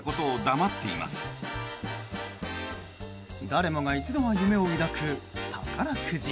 誰もが一度は夢を抱く宝くじ。